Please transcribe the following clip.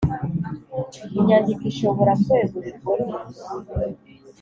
Inyandiko ishobora kwegurirwa undi